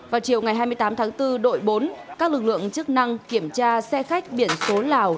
vào chiều ngày hai mươi tám tháng bốn đội bốn các lực lượng chức năng kiểm tra xe khách biển số lào